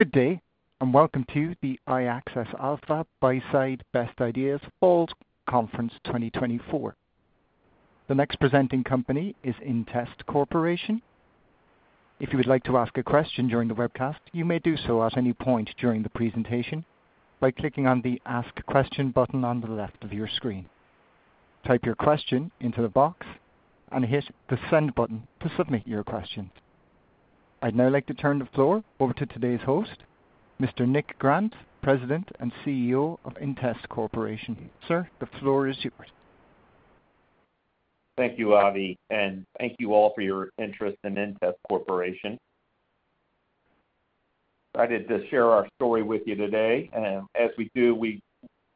Good day, and welcome to the iAccess Alpha Buyside Best Ideas Fall Conference 2024. The next presenting company is inTEST Corporation. If you would like to ask a question during the webcast, you may do so at any point during the presentation by clicking on the Ask Question button on the left of your screen. Type your question into the box and hit the Send button to submit your question. I'd now like to turn the floor over to today's host, Mr. Nick Grant, President and CEO of inTEST Corporation. Sir, the floor is yours. Thank you, Avi, and thank you all for your interest in inTEST Corporation. I'd like to share our story with you today, and as we do, we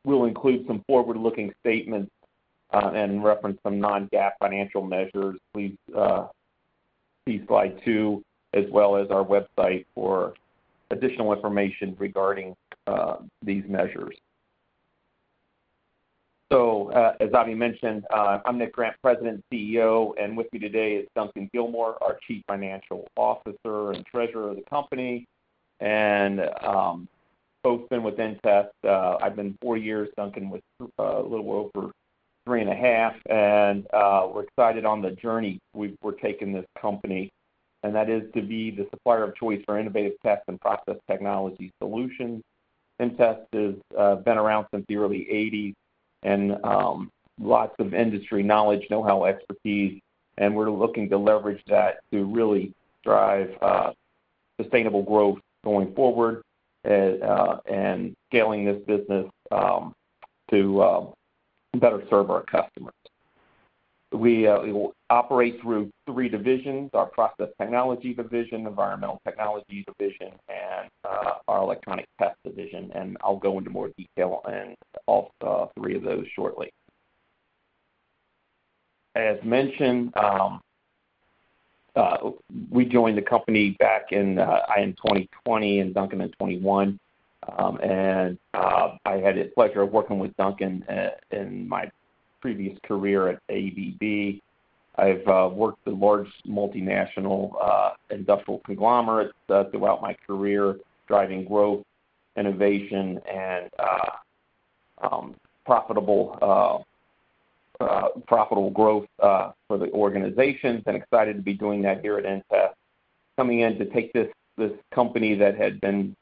will include some forward-looking statements and reference some non-GAAP financial measures. Please see slide two as well as our website for additional information regarding these measures. So, as Avi mentioned, I'm Nick Grant, President and CEO, and with me today is Duncan Gilmour, our Chief Financial Officer and Treasurer of the company. And both been with inTEST, I've been four years, Duncan with a little over 3.5, and we're excited on the journey we're taking this company, and that is to be the supplier of choice for innovative test and process technology solutions. inTEST has been around since the early 1980s and lots of industry knowledge, know-how, expertise, and we're looking to leverage that to really drive sustainable growth going forward and scaling this business to better serve our customers. We operate through three divisions, our Process Technologies Division, Environmental Technologies Division, and our Electronic Test Division, and I'll go into more detail in all three of those shortly. As mentioned, we joined the company back in 2020, and Duncan in 2021. I had the pleasure of working with Duncan in my previous career at ABB. I've worked with large multinational industrial conglomerates throughout my career, driving growth, innovation, and profitable growth for the organizations, and excited to be doing that here at inTEST. Coming in to take this company that had been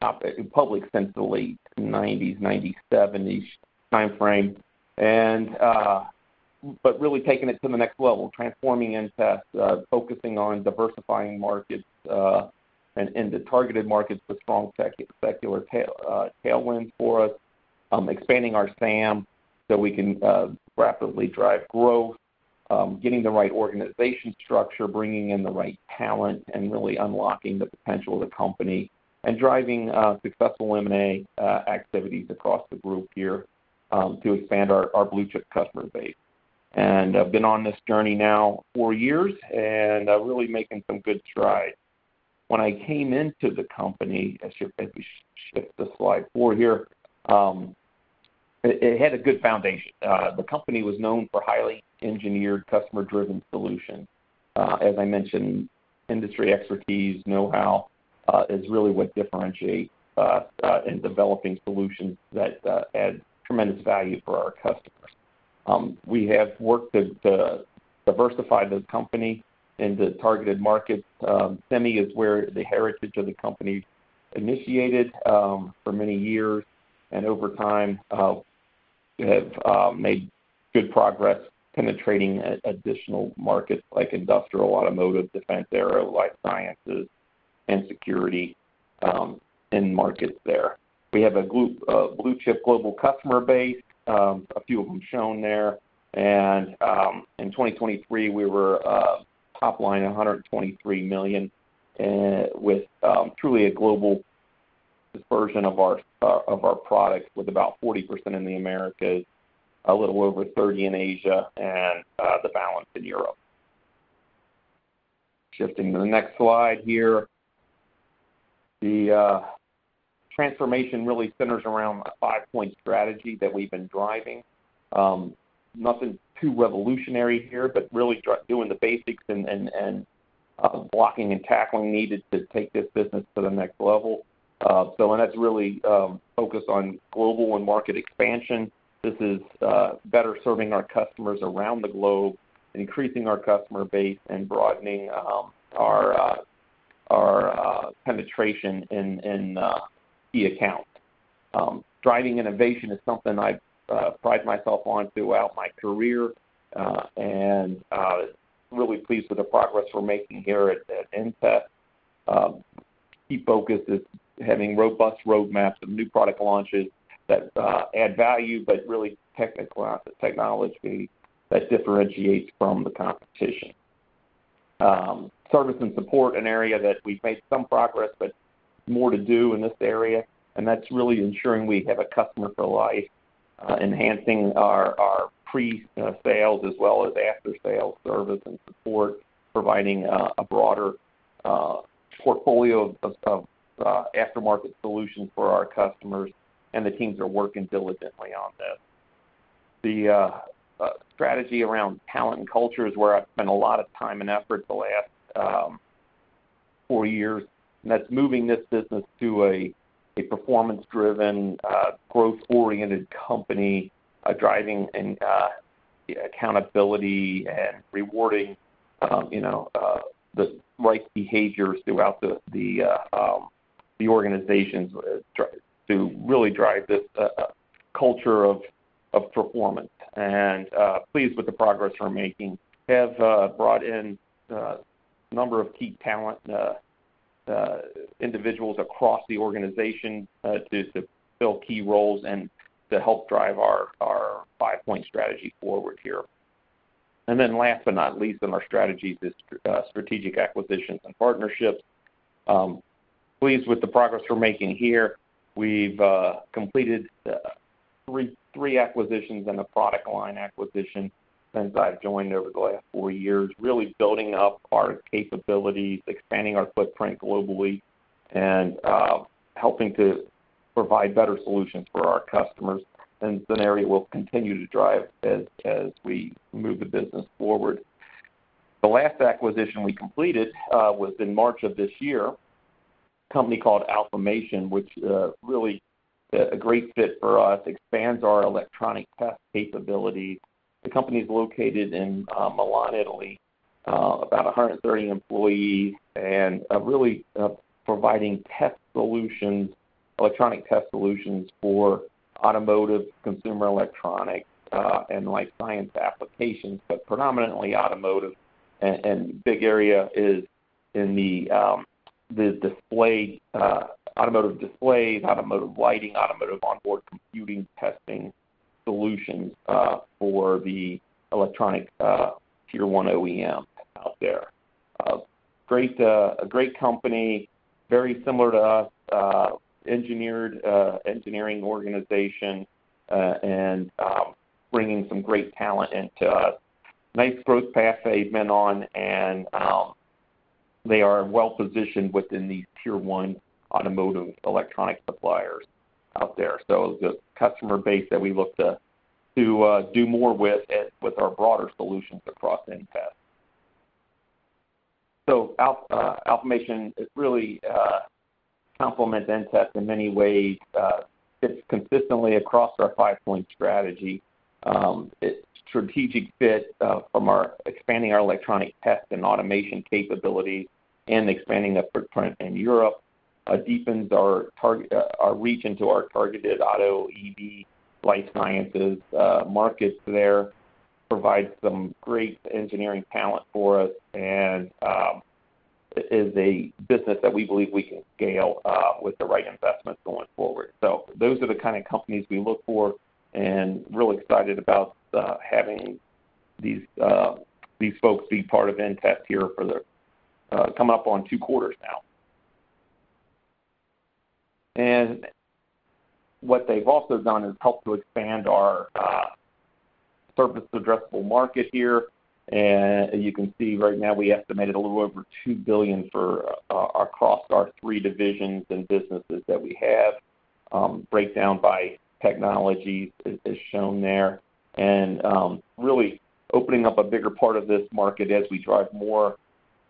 public since the late 1990s, 1970s timeframe, but really taking it to the next level, transforming inTEST, focusing on diversifying markets, and the targeted markets with strong secular tailwinds for us, expanding our SAM so we can rapidly drive growth, getting the right organization structure, bringing in the right talent, and really unlocking the potential of the company and driving successful M&A activities across the group here to expand our blue-chip customer base. I've been on this journey now for years, and really making some good strides. When I came into the company, as you, if you shift to slide four here, it had a good foundation. The company was known for highly engineered, customer-driven solutions. As I mentioned, industry expertise, know-how is really what differentiate in developing solutions that add tremendous value for our customers. We have worked to diversify the company into targeted markets. Semi is where the heritage of the company initiated for many years, and over time have made good progress penetrating additional markets like industrial, automotive, defense, aero, life sciences, and security end markets there. We have a blue-chip global customer base, a few of them shown there. In 2023, we were top line $123 million with truly a global dispersion of our products, with about 40% in the Americas, a little over 30% in Asia, and the balance in Europe. Shifting to the next slide here. The transformation really centers around the five-point strategy that we've been driving. Nothing too revolutionary here, but really doing the basics and blocking and tackling needed to take this business to the next level, and that's really focused on global and market expansion. This is better serving our customers around the globe, increasing our customer base, and broadening our penetration in the account. Driving innovation is something I pride myself on throughout my career, and really pleased with the progress we're making here at inTEST. Key focus is having robust roadmaps of new product launches that add value, but really technical technology that differentiates from the competition. Service and support, an area that we've made some progress, but more to do in this area, and that's really ensuring we have a customer for life, enhancing our pre-sales as well as after-sale service and support, providing a broader portfolio of aftermarket solutions for our customers, and the teams are working diligently on this. The strategy around talent and culture is where I've spent a lot of time and effort the last four years, and that's moving this business to a performance-driven growth-oriented company, driving accountability and rewarding, you know, the right behaviors throughout the organizations, to really drive this culture of performance. And pleased with the progress we're making. Have brought in a number of key talent individuals across the organization, to fill key roles and to help drive our five-point strategy forward here. And then last but not least in our strategy is strategic acquisitions and partnerships. Pleased with the progress we're making here. We've completed three acquisitions and a product line acquisition since I've joined over the last four years, really building up our capabilities, expanding our footprint globally, and helping to provide better solutions for our customers, and it's an area we'll continue to drive as we move the business forward. The last acquisition we completed was in March of this year, a company called Alphamation, which really a great fit for us, expands our Electronic Test capability. The company is located in Milan, Italy, about 130 employees, and really providing test solutions, Electronic Test solutions for automotive, consumer electronic, and life sciences applications, but predominantly automotive. A big area is in the display, automotive displays, automotive lighting, automotive onboard computing testing solutions for the electronic Tier 1 OEM out there. A great company, very similar to us, an engineering organization, and bringing some great talent into us. Nice growth path they've been on, and they are well positioned within the Tier 1 automotive electronic suppliers out there. So the customer base that we look to do more with our broader solutions across inTEST. So Alphamation really complement inTEST in many ways, fits consistently across our five-point strategy. It's strategic fit from our expanding our Electronic Test and automation capability and expanding the footprint in Europe, deepens our reach into our targeted auto, EV, life sciences markets there. Provides some great engineering talent for us, and is a business that we believe we can scale with the right investments going forward, so those are the kind of companies we look for, and real excited about having these folks be part of inTEST here for the coming up on two quarters now, and what they've also done is helped to expand our serviceable addressable market here, and as you can see right now, we estimated a little over $2 billion across our three divisions and businesses that we have. Breakdown by technology is shown there. And really opening up a bigger part of this market as we drive more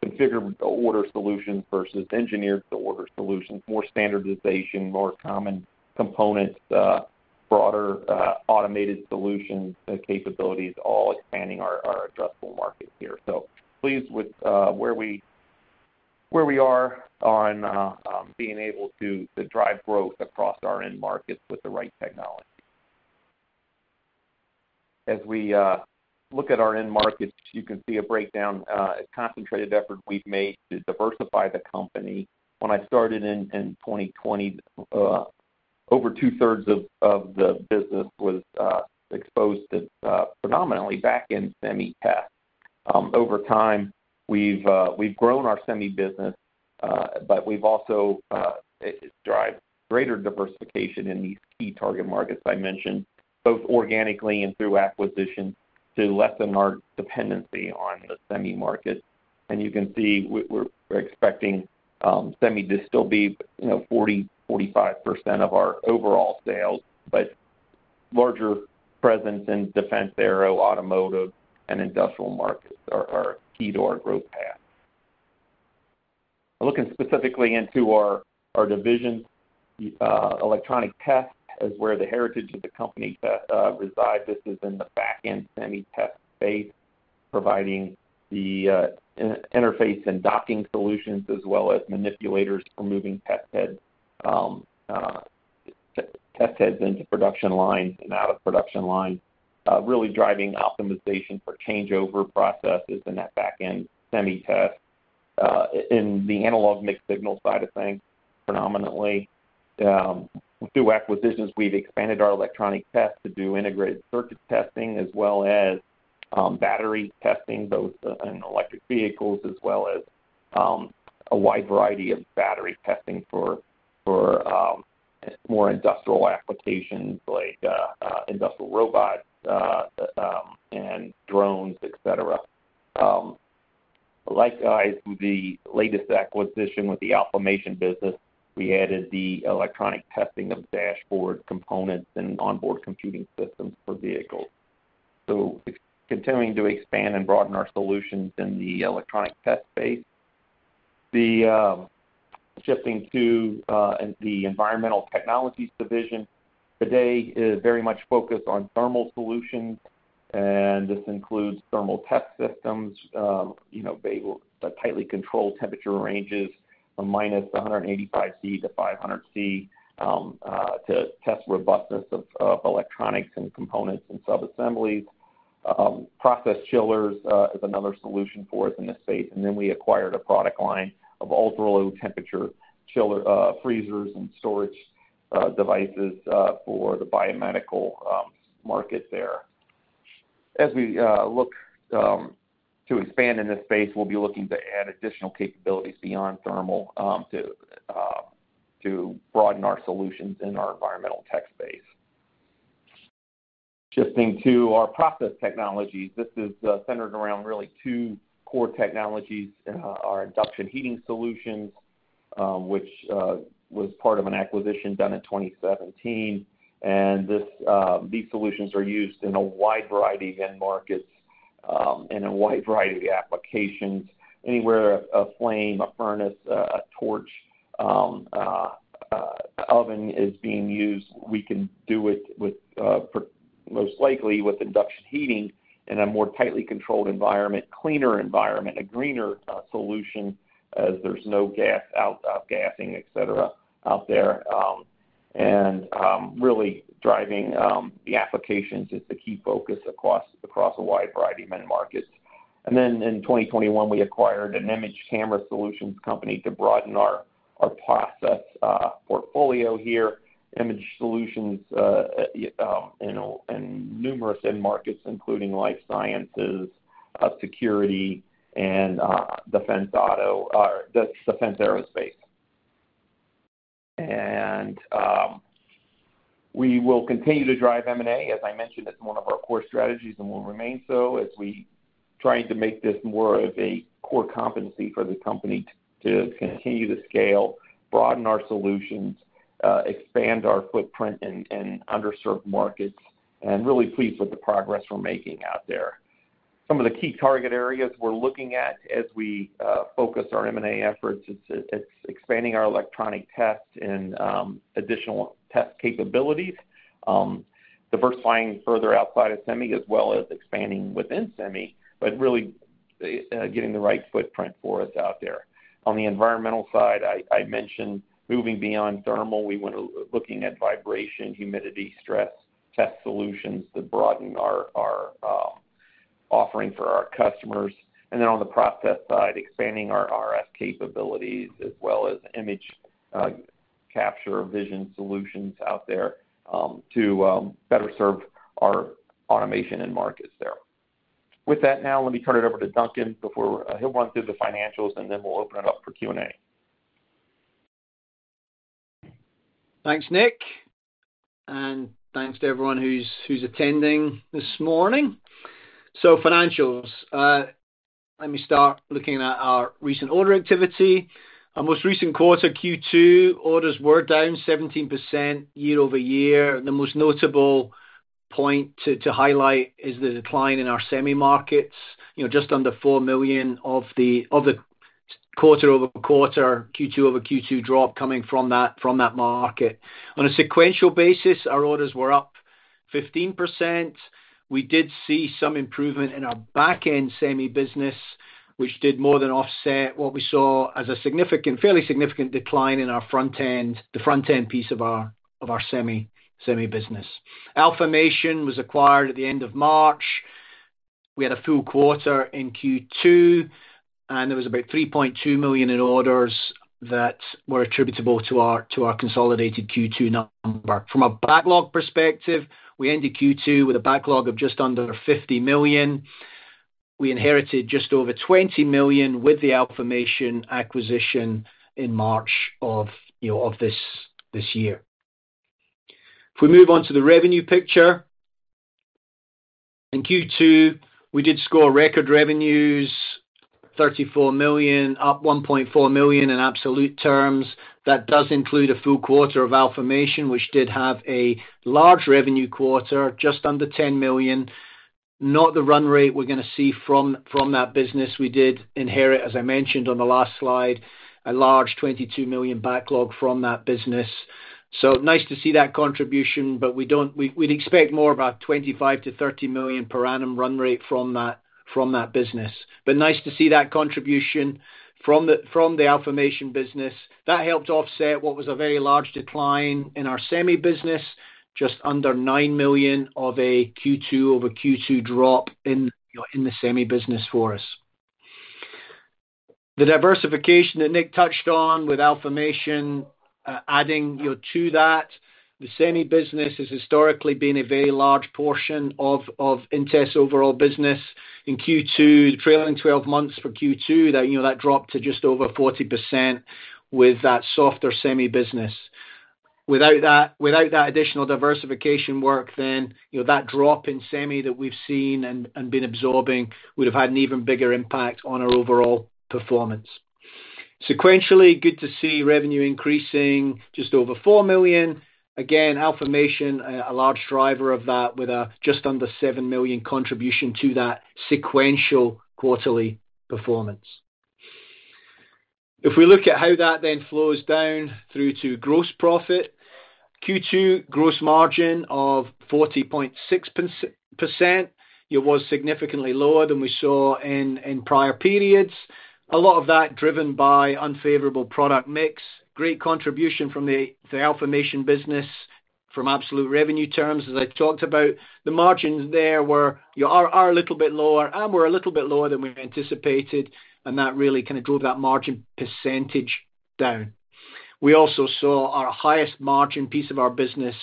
configure-to-order solutions versus engineer-to order solutions, more standardization, more common components, broader automated solutions capabilities, all expanding our addressable market here. So pleased with where we are on being able to drive growth across our end markets with the right technology. As we look at our end markets, you can see a breakdown, a concentrated effort we've made to diversify the company. When I started in 2020, over 2/3 of the business was exposed to primarily back-end semi test. Over time, we've, we've grown our semi business, but we've also drive greater diversification in these key target markets I mentioned, both organically and through acquisition, to lessen our dependency on the semi market. You can see we're, we're expecting semi to still be, you know, 40%-45% of our overall sales, but larger presence in defense, aero, automotive, and industrial markets are, are key to our growth path. Looking specifically into our, our divisions, Electronic Test is where the heritage of the company resides. This is in the back-end semi test space, providing the interface and docking solutions, as well as manipulators for moving test heads into production lines and out of production lines, really driving optimization for changeover processes in that back-end semi test in the analog mixed signal side of things, predominantly. Through acquisitions, we've expanded our Electronic Test to do integrated circuit testing, as well as battery testing, both in electric vehicles, as well as a wide variety of battery testing for more industrial applications like industrial robots and drones, et cetera. Likewise, with the latest acquisition, with the Alphamation business, we added the Electronic Test of dashboard components and onboard computing systems for vehicles. So continuing to expand and broaden our solutions in the Electronic Test space. The shifting to the Environmental Technologies Division, today is very much focused on thermal solutions, and this includes thermal test systems. You know, they will tightly control temperature ranges from -185 degrees Celsius to 500 degrees Celsius, to test robustness of electronics and components and sub-assemblies. Process chillers is another solution for us in this space, and then we acquired a product line of ultra-low temperature chiller freezers and storage devices for the biomedical market there. As we look to expand in this space, we'll be looking to add additional capabilities beyond thermal to broaden our solutions in our environmental tech space. Shifting to our Process Technologies, this is centered around really two core technologies, our induction heating solutions, which was part of an acquisition done in 2017. And these solutions are used in a wide variety of end markets, in a wide variety of applications. Anywhere a flame, a furnace, a torch, an oven is being used, we can do it with most likely with induction heating in a more tightly controlled environment, cleaner environment, a greener solution as there's no gas outgassing, et cetera, out there. And really driving the applications is the key focus across a wide variety of end markets. And then in 2021, we acquired an image camera solutions company to broaden our process portfolio here. Image solutions, you know, in numerous end markets, including life sciences, security, and defense/auto or defense/aerospace. And we will continue to drive M&A. As I mentioned, it's one of our core strategies, and will remain so as we trying to make this more of a core competency for the company to continue to scale, broaden our solutions, expand our footprint in underserved markets, and really pleased with the progress we're making out there. Some of the key target areas we're looking at as we focus our M&A efforts, it's expanding our Electronic Test and additional test capabilities. Diversifying further outside of semi, as well as expanding within semi, but really getting the right footprint for us out there. On the environmental side, I mentioned moving beyond thermal. We went to looking at vibration, humidity, stress test solutions to broaden our offering for our customers. And then on the process side, expanding our RF capabilities as well as image capture vision solutions out there to better serve our automation and markets there. With that, now let me turn it over to Duncan before he'll run through the financials, and then we'll open it up for Q&A. Thanks, Nick, and thanks to everyone who's attending this morning. So financials. Let me start looking at our recent order activity. Our most recent quarter, Q2, orders were down 17% year-over-year. The most notable point to highlight is the decline in our semi markets. You know, just under $4 million of the quarter over quarter, Q2 over Q2 drop coming from that market. On a sequential basis, our orders were up 15%. We did see some improvement in our back-end semi business, which did more than offset what we saw as a significant, fairly significant decline in our front end, the front-end piece of our semi business. Alphamation was acquired at the end of March. We had a full quarter in Q2, and there was about $3.2 million in orders that were attributable to our consolidated Q2 number. From a backlog perspective, we ended Q2 with a backlog of just under $50 million. We inherited just over $20 million with the Alphamation acquisition in March of this year. If we move on to the revenue picture, in Q2, we did score record revenues, $34 million, up $1.4 million in absolute terms. That does include a full quarter of Alphamation, which did have a large revenue quarter, just under $10 million. Not the run rate we're gonna see from that business. We did inherit, as I mentioned on the last slide, a large $22 million backlog from that business. So nice to see that contribution, but we'd expect more about $25 million-$30 million per annum run rate from that business. But nice to see that contribution from the Alphamation business. That helped offset what was a very large decline in our semi business, just under $9 million of a Q2 over Q2 drop in, you know, in the semi business for us. The diversification that Nick touched on with Alphamation, adding, you know, to that, the semi business has historically been a very large portion of inTEST overall business. In Q2, the trailing twelve months for Q2, that, you know, that dropped to just over 40% with that softer semi business. Without that, without that additional diversification work, then, you know, that drop in semi that we've seen and been absorbing would have had an even bigger impact on our overall performance. Sequentially, good to see revenue increasing just over $4 million. Again, Alphamation, a large driver of that with a just under $7 million contribution to that sequential quarterly performance. If we look at how that then flows down through to gross profit, Q2 gross margin of 40.6%, it was significantly lower than we saw in prior periods. A lot of that driven by unfavorable product mix. Great contribution from the Alphamation business from absolute revenue terms, as I've talked about. The margins there were, you know, are a little bit lower and were a little bit lower than we anticipated, and that really kind of drove that margin percentage down. We also saw our highest margin piece of our business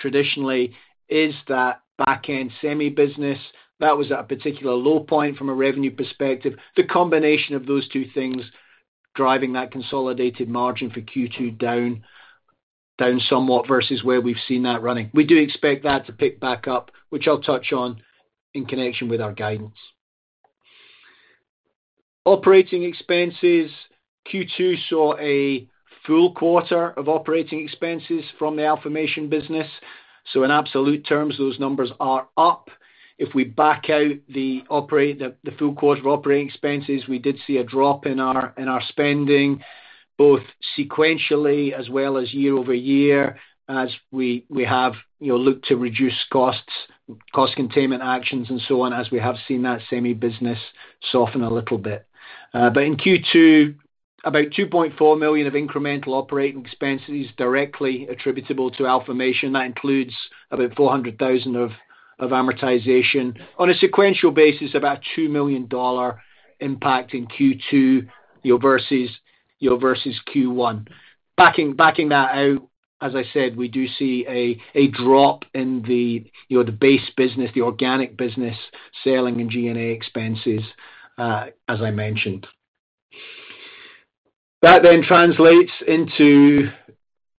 traditionally is that back-end semi business. That was at a particular low point from a revenue perspective. The combination of those two things driving that consolidated margin for Q2 down somewhat versus where we've seen that running. We do expect that to pick back up, which I'll touch on in connection with our guidance. Operating expenses. Q2 saw a full quarter of operating expenses from the Alphamation business, so in absolute terms, those numbers are up. If we back out the full quarter of operating expenses, we did see a drop in our spending, both sequentially as well as year-over-year, as we have, you know, looked to reduce costs, cost containment actions and so on, as we have seen that semi business soften a little bit. But in Q2, about $2.4 million of incremental operating expenses directly attributable to Alphamation. That includes about $400,000 of amortization. On a sequential basis, about $2 million impact in Q2, you know, versus Q1. Backing that out, as I said, we do see a drop in the base business, the organic business, selling and SG&A expenses, as I mentioned. That then translates into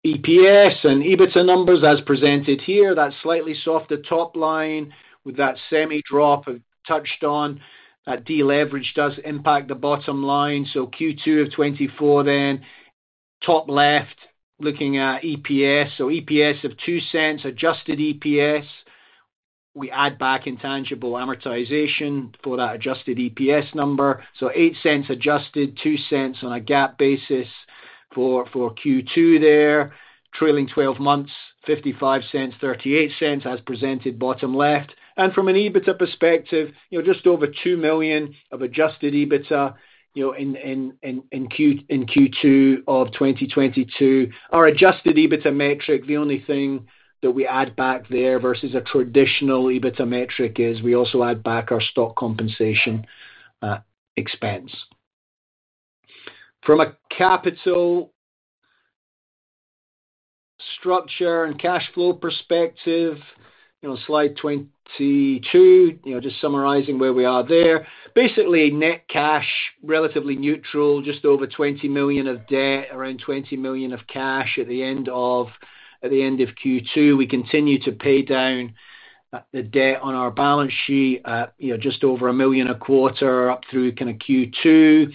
EPS and EBITDA numbers as presented here. That slightly softer top line with that semi drop I've touched on, that deleverage does impact the bottom line. Q2 of 2024, then, top left, looking at EPS. EPS of $0.02, adjusted EPS, we add back intangible amortization for that adjusted EPS number. $0.08 adjusted, $0.02 on a GAAP basis for Q2 there. Trailing twelve months, $0.55, $0.38, as presented, bottom left, and from an EBITDA perspective, you know, just over $2 million of adjusted EBITDA, you know, in Q2 of 2022. Our adjusted EBITDA metric, the only thing that we add back there versus a traditional EBITDA metric is we also add back our stock compensation expense. From a capital structure and cash flow perspective, you know, slide 22, you know, just summarizing where we are there. Basically, net cash, relatively neutral, just over $20 million of debt, around $20 million of cash at the end of Q2. We continue to pay down the debt on our balance sheet at, you know, just over $1 million a quarter up through kind of Q2.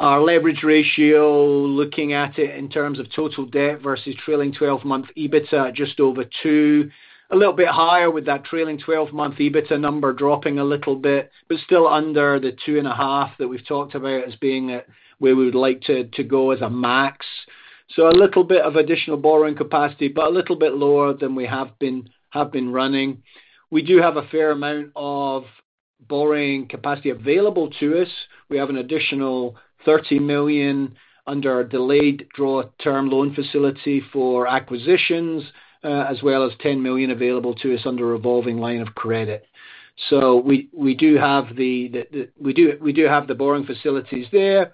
Our leverage ratio, looking at it in terms of total debt versus trailing twelve-month EBITDA, just over two. A little bit higher with that trailing twelve-month EBITDA number dropping a little bit, but still under the two and a half that we've talked about as being where we would like to go as a max. So a little bit of additional borrowing capacity, but a little bit lower than we have been running. We do have a fair amount of borrowing capacity available to us. We have an additional $30 million under our delayed draw term loan facility for acquisitions, as well as $10 million available to us under a revolving line of credit. So we do have the borrowing facilities there.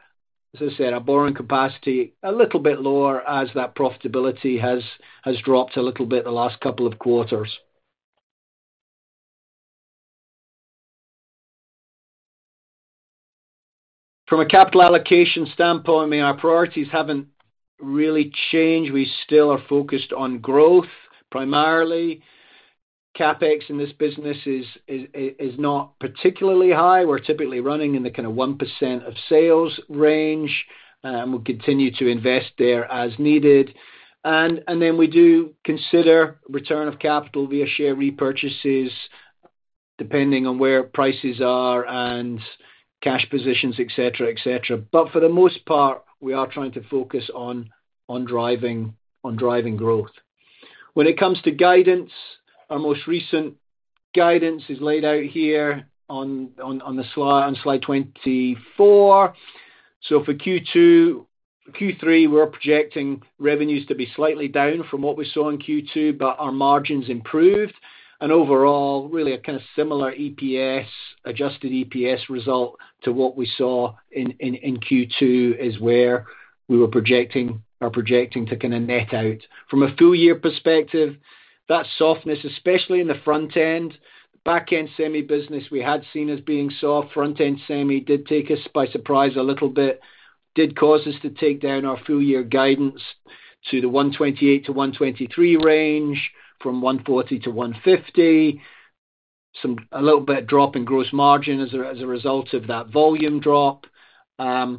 As I said, our borrowing capacity a little bit lower as that profitability has dropped a little bit in the last couple of quarters. From a capital allocation standpoint, I mean, our priorities haven't really changed. We still are focused on growth, primarily. CapEx in this business is not particularly high. We're typically running in the kind of 1% of sales range, and we'll continue to invest there as needed. And then we do consider return of capital via share repurchases, depending on where prices are and cash positions, et cetera, et cetera. But for the most part, we are trying to focus on driving growth. When it comes to guidance, our most recent guidance is laid out here on the slide, on slide 24. For Q2, Q3, we're projecting revenues to be slightly down from what we saw in Q2, but our margins improved. Overall, really a kind of similar EPS, adjusted EPS result to what we saw in Q2 is where we were projecting to kind of net out. From a full year perspective, that softness, especially in the front-end, back-end semi business, we had seen as being soft. Front-end semi did take us by surprise a little bit, did cause us to take down our full year guidance to the $128 million-$123 million range, from $140 million-$150 million, a little bit drop in gross margin as a result of that volume drop. But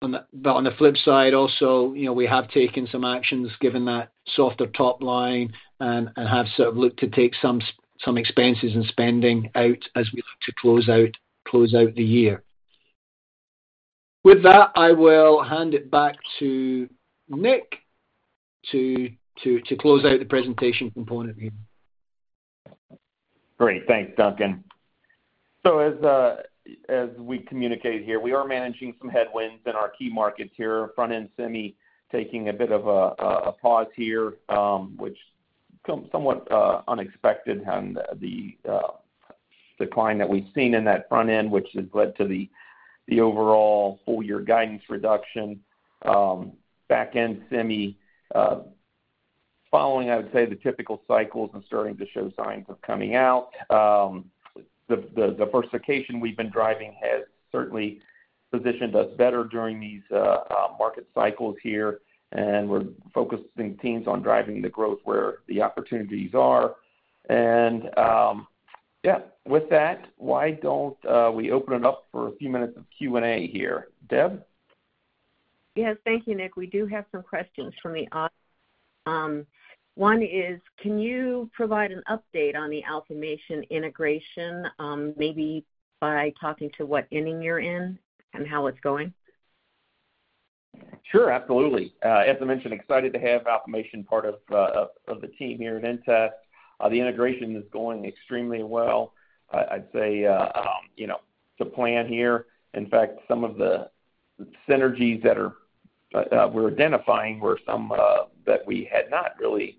on the flip side, also, you know, we have taken some actions, given that softer top line, and have sort of looked to take some expenses and spending out as we look to close out the year. With that, I will hand it back to Nick to close out the presentation component here. Great. Thanks, Duncan. So as we communicate here, we are managing some headwinds in our key markets here. Front-end semi taking a bit of a pause here, which somewhat unexpected, and the decline that we've seen in that front end, which has led to the overall full year guidance reduction. Back-end semi following, I would say, the typical cycles and starting to show signs of coming out. The diversification we've been driving has certainly positioned us better during these market cycles here, and we're focusing teams on driving the growth where the opportunities are. And, yeah, with that, why don't we open it up for a few minutes of Q&A here. Deb? Yes, thank you, Nick. We do have some questions from the audience. One is, can you provide an update on the Alphamation integration, maybe by talking to what inning you're in and how it's going? Sure, absolutely. As I mentioned, excited to have Alphamation part of the team here at inTEST. The integration is going extremely well. I'd say, you know, to plan here. In fact, some of the synergies that we're identifying were some that we had not really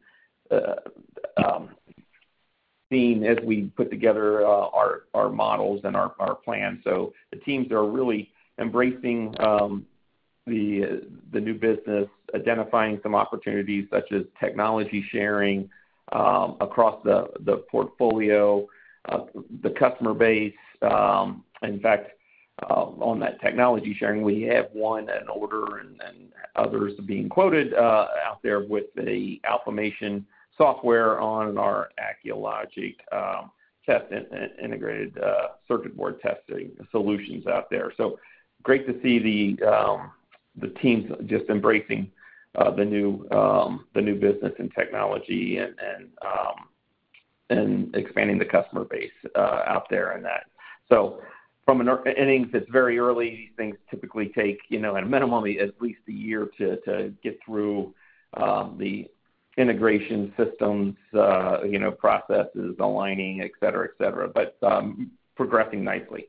seen as we put together our models and our plan. So the teams are really embracing the new business, identifying some opportunities, such as technology sharing across the portfolio, the customer base. In fact, on that technology sharing, we have an order and others being quoted out there with the Alphamation software on our Acculogic test and integrated circuit board testing solutions out there. So great to see the teams just embracing the new business and technology and expanding the customer base out there in that. From an innings, it's very early. Things typically take, you know, at a minimum, at least a year to get through the integration systems, you know, processes, aligning, et cetera, et cetera, but progressing nicely.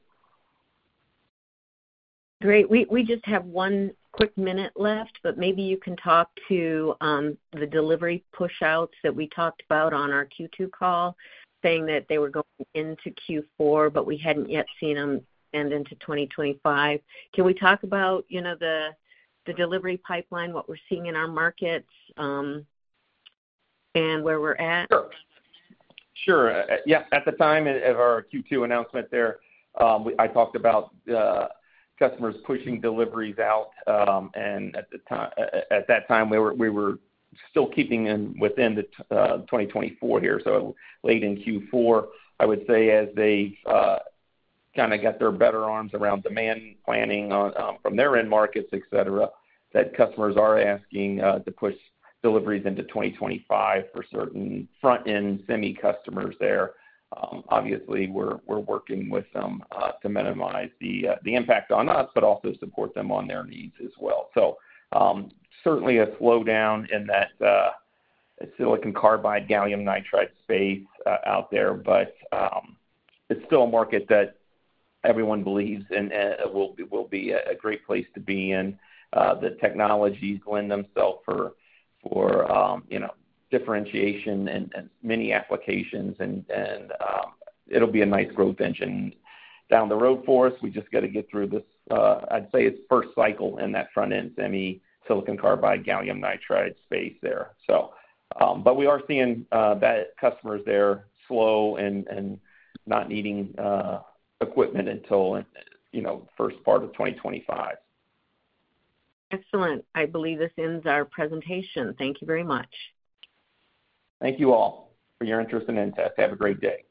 Great. We just have one quick minute left, but maybe you can talk to the delivery pushouts that we talked about on our Q2 call, saying that they were going into Q4, but we hadn't yet seen them and into 2025. Can we talk about, you know, the delivery pipeline, what we're seeing in our markets, and where we're at? Sure. Sure. Yeah, at the time of our Q2 announcement there, I talked about customers pushing deliveries out, and at that time, we were still keeping it within the 2024 here, so late in Q4. I would say as they kind of get their arms around demand planning on from their end markets, et cetera, that customers are asking to push deliveries into 2025 for certain front-end semi customers there. Obviously, we're working with them to minimize the impact on us, but also support them on their needs as well. So, certainly a slowdown in that silicon carbide, gallium nitride space out there, but it's still a market that everyone believes in, and will be a great place to be in. The technologies lend themselves for you know differentiation and many applications, and it'll be a nice growth engine down the road for us. We just got to get through this. I'd say it's first cycle in that front-end semi, silicon carbide, gallium nitride space there. So, but we are seeing that customers there slow and not needing equipment until you know first part of 2025. Excellent. I believe this ends our presentation. Thank you very much. Thank you all for your interest in inTEST. Have a great day.